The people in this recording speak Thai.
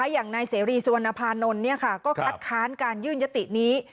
อย่างนายเสรีสุวรรณภานนท์ก็คัดค้านการยื่นยตินี้